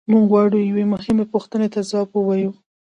موږ غواړو یوې مهمې پوښتنې ته ځواب ووایو.